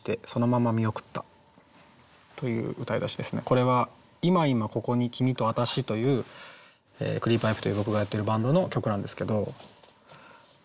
これは「今今ここに君とあたし」というクリープハイプという僕がやってるバンドの曲なんですけど。